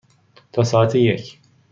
تا ساعت یک.